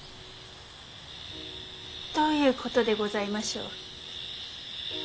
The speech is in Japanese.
どういうことでございましょう。